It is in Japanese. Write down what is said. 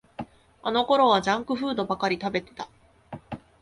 あのころはジャンクフードばかり食べてた